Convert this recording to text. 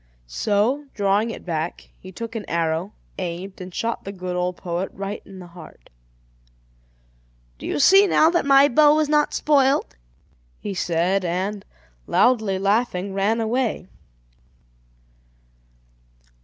So, drawing it back, he took an arrow, aimed, and shot the good old poet right in the heart. "Do you see now that my bow was not spoilt?" he said, and, loudly laughing, ran away.